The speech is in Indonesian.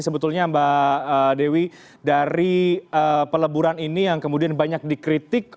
sebetulnya mbak dewi dari peleburan ini yang kemudian banyak dikritik